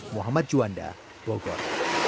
muhammad juanda bogor